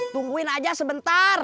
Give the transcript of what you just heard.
tungguin aja sebentar